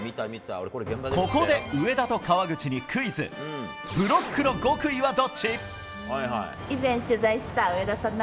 ここで上田と川口にクイズブロックの極意はどっち？